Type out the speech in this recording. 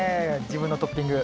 自分のトッピング。